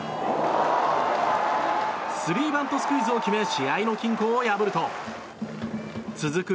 スリーバントスクイズを決め試合の均衡を破ると続く